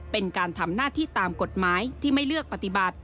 เป็นการทำหน้าที่ตามกฎหมายที่ไม่เลือกปฏิบัติ